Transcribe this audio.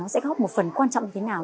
nó sẽ góp một phần quan trọng thế nào